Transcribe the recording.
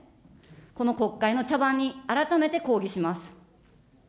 この国会の茶番に改めて抗議します。